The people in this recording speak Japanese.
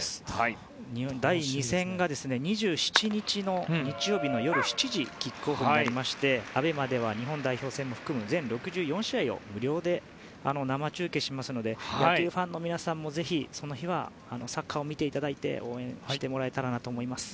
第２戦が２７日の日曜日の夜７時キックオフになりましてＡＢＥＭＡでは日本代表戦も含む全６４試合を無料で生中継しますので野球ファンの皆さんもぜひその日はサッカーを見ていただいて応援してもらえたらなと思います。